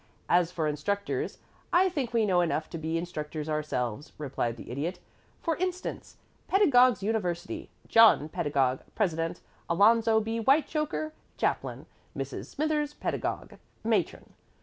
As for instructors, I think we know enough to be instructors ourselves," replied the Idiot. "For instance: Pedagog's University. John Pedagog, President; Alonzo B. Whitechoker, Chaplain; Mrs. Smithers Pedagog, Matron.